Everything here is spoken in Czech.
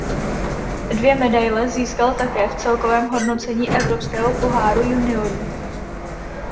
Dvě medaile získal také v celkovém hodnocení Evropského poháru juniorů.